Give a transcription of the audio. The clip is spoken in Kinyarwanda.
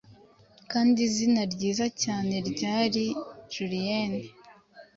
Kandi izina ryiza cyane, ryari juliyene